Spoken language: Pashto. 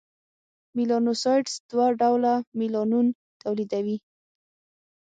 میلانوسایټس دوه ډوله میلانون تولیدوي: